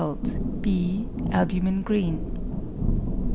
b, albumen green.